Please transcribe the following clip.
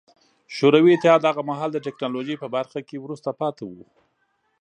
شوروي اتحاد هغه مهال د ټکنالوژۍ په برخه کې وروسته پاتې و